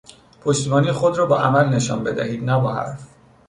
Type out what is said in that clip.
پشتیبانی خود را با عمل نشان بدهید نه با حرف